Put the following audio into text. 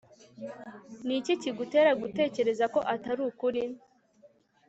Ni iki kigutera gutekereza ko atari ukuri